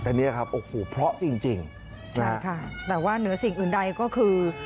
แต่เนี่ยครับโอ้โหเพราะจริงจริงใช่ค่ะแต่ว่าเหนือสิ่งอื่นใดก็คือ